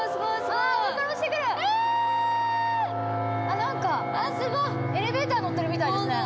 あっなんかエレベーター乗ってるみたいですね。